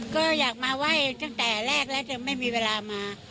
ก็อยากมาไหว้ตั้งแต่แรกแล้วจะไม่มีเวลามา